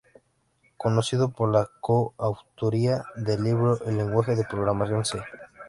Conocido por la co-autoría del libro "El lenguaje de programación C".